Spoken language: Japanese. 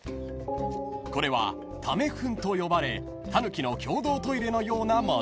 ［これはためフンと呼ばれタヌキの共同トイレのようなもの］